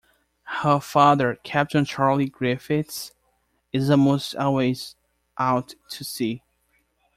Her father, Captain Charlie Griffiths, is almost always out to sea.